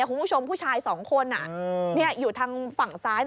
คุณผู้ชมผู้ชายสองคนอยู่ทางฝั่งซ้าย